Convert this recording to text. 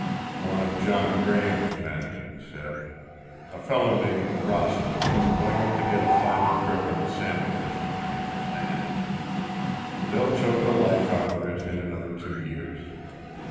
"One of John Graham's men," he said. "A fellow named Rossland, going up to get a final grip on the salmon fishing, I understand. They'll choke the life out of it in another two years.